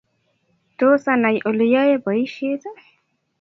Tos anai oleyae boishiet?